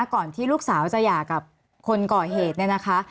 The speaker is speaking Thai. ก่อนที่ลูกสาวจะหย่ากับคนก่อเหตุเนี่ยนะคะ